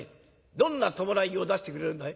どんな葬式を出してくれるんだい？」。